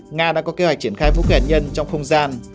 nga đã có kế hoạch triển khai vũ khí hạt nhân trong không gian